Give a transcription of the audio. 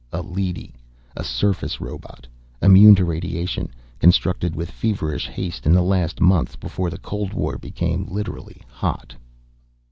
A leady, a surface robot, immune to radiation, constructed with feverish haste in the last months before the cold war became literally hot.